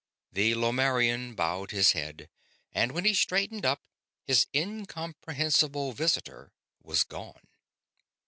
The Lomarrian bowed his head, and when he straightened up his incomprehensible visitor was gone.